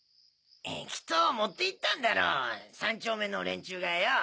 きっと持って行ったんだろう３丁目の連中がよぉ。